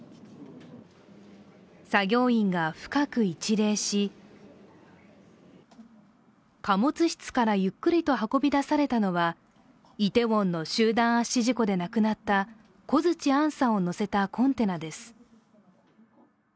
作業員が深く一礼し貨物室からゆっくりと運び出されたのはイテウォンの集団圧死事故で亡くなった小槌杏さんを乗せたコンテナです。